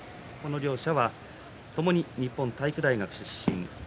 両者は、ともに日本体育大学の出身です。